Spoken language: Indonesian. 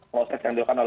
proses yang dilakukan oleh